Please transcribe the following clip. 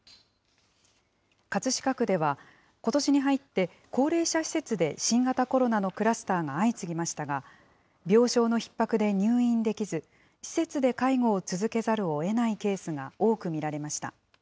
葛飾区では、ことしに入って、高齢者施設で新型コロナのクラスターが相次ぎましたが、病床のひっ迫で入院できず、施設で介護を続けざるをえないケースが多く見られました。